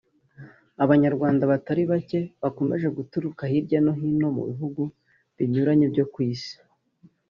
Abanyarwanda batari bake bakomeje guturuka hirya no hino mu bihugu binyuranye byo ku isi